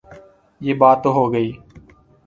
یہ بات تو ہو گئی۔